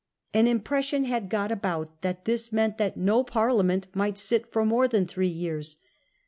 An impression had got about that this meant that no Parliament might sit for more than three years.